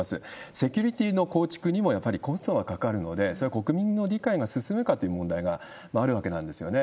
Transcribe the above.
セキュリティーの構築にもやっぱりコストがかかるので、それは国民の理解が進むかという問題があるわけなんですよね。